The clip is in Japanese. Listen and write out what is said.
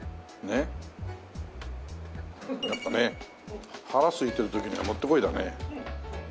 やっぱね腹すいてる時にはもってこいだね。